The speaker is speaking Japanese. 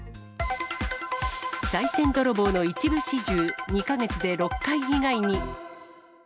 さい銭泥棒の一部始終、２か月で６回被害に。